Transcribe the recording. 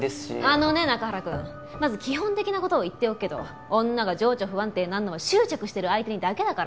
あのね中原くんまず基本的な事を言っておくけど女が情緒不安定になるのは執着してる相手にだけだから。